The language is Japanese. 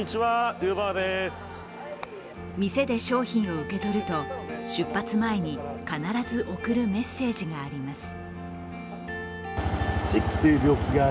店で商品を受け取ると出発前に必ず送るメッセージがあります。